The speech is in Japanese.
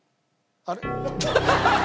あれ？